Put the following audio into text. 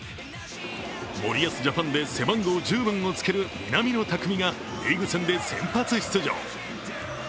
森保ジャパンで背番号１０番をつける南野拓実がリーグ戦で先発出場。